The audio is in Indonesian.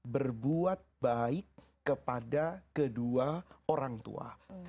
berbuat baik kepada kedua orangtuanya